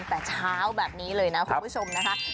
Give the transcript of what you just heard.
แต่เช้าแบบนี้เลยนะคุณผู้ชมนะคะ